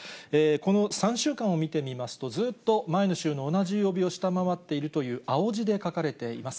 この３週間を見てみますと、ずっと前の週の同じ曜日を下回っているという青字で書かれています。